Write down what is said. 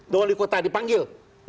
dari kota dipanggil